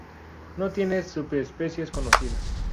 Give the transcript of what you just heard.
No tiene subespecies conocidas.